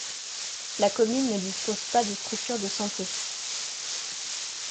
La commune ne dispose pas de structures de santé.